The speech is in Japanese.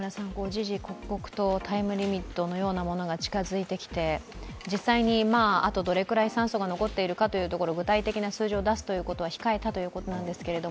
時々刻々とタイムリミットのようなものが近づいてきて実際に、あとどれくらい酸素が残っているかというのは具体的な数字を出すということは控えたということなんですけど